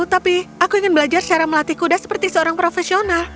tapi aku ingin belajar cara melatih kuda seperti seorang profesional